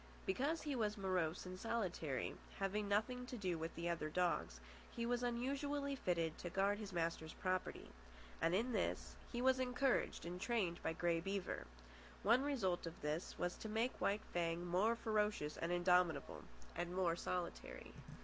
Because he was morose and solitary, having nothing to do with the other dogs, he was unusually fitted to guard his master's property; and in this he was encouraged and trained by Grey Beaver. One result of this was to make White Fang more ferocious and indomitable, and more solitary.